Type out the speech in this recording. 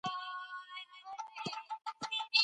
ستاسې مرسته پکار ده.